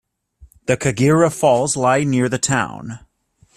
The Kagera Falls lie near the town.